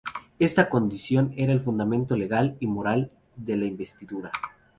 Esta condición era el fundamento legal y moral de la investidura.